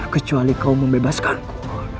kecuali kau membebaskanku